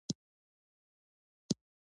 افغانستان د د بولان پټي له پلوه متنوع دی.